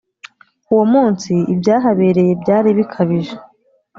uwo munsi ibyahabereyebyari bikabije